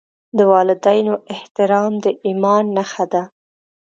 د والدینو احترام د ایمان نښه ده.